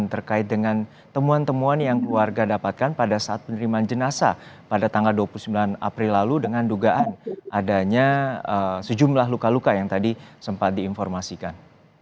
dan terkait dengan temuan temuan yang keluarga dapatkan pada saat penerimaan jenasa pada tanggal dua puluh sembilan april lalu dengan dugaan adanya sejumlah luka luka yang tadi sempat diinformasikan